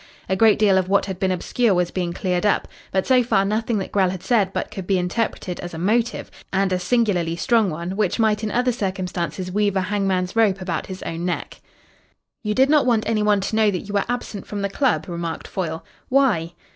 A great deal of what had been obscure was being cleared up. But so far nothing that Grell had said but could be interpreted as a motive and a singularly strong one which might in other circumstances weave a hangman's rope about his own neck. "You did not want any one to know that you were absent from the club," remarked Foyle. "Why?"